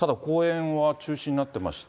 ただ公演は中止になってまして。